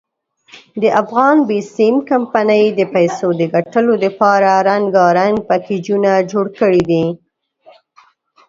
دافغان بېسیم کمپنۍ د پیسو دګټلو ډپاره رنګارنګ پېکېجونه جوړ کړي دي.